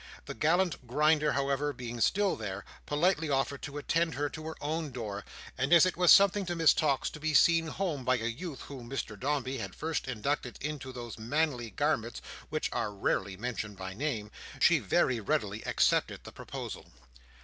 The gallant Grinder, however, being still there, politely offered to attend her to her own door; and as it was something to Miss Tox to be seen home by a youth whom Mr Dombey had first inducted into those manly garments which are rarely mentioned by name, she very readily accepted the proposal.